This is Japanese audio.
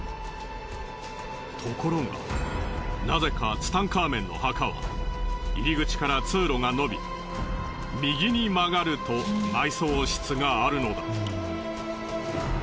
ところがなぜかツタンカーメンの墓は入り口から通路が伸び右に曲がると埋葬室があるのだ。